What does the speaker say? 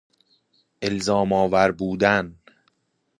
الزام آور بودن